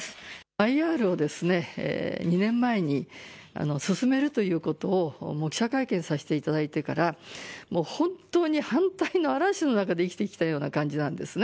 ＩＲをですね２年前に進めるということを記者会見させていただいてからもう本当に、反対の嵐の中で生きてきたような感じなんですね。